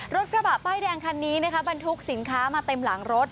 รถกระบะป้ายแดงคันนี้นะคะบรรทุกสินค้ามาเต็มหลังรถ